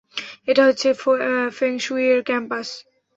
এটা হচ্ছে ফেং শুইয়ের কম্পাস!